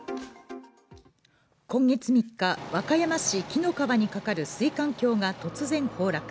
今月３日、和歌山市紀の川にかかる水管橋が突然崩落。